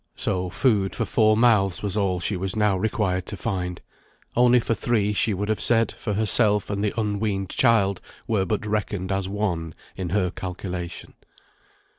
So food for four mouths was all she was now required to find; only for three she would have said; for herself and the unweaned child were but reckoned as one in her calculation.